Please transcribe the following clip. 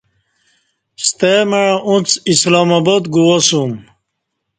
ستہ مع اݩڅ اسلام آباد گو اسوم